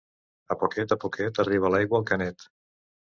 A poquet a poquet arriba l'aigua al canet.